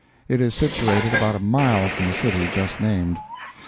It is situated about a mile from the city just named.